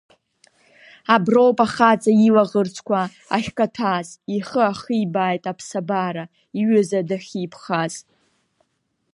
Аброуп ахаҵа илаӷырӡқәа ахькаҭәаз, ихы ахибааит аԥсабара иҩыза дахьиԥхаз.